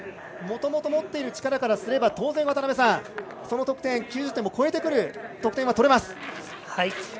もともと持っている力からすれば当然、その得点９０点も超えてくる得点は取れます。